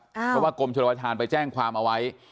เพราะว่ากรมชุดวัฒนษาไปแจ้งความเอาไว้